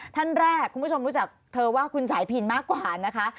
ท่านแรกคุณผู้ชมรู้จักเธอว่าคุณสายพินมากกว่านะคะ